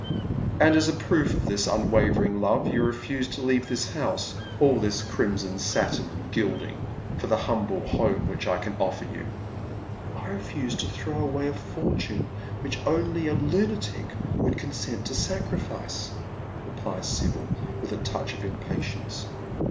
" And as a proof of this unwavering love you refuse to leave this house, all this crimson satin and gilding, for the humble ,^ome which I can offer you." "I refuse to throw away a fortune which only a lunatic would consent to sacrifice," replies Sibyl, with a touch of impatience.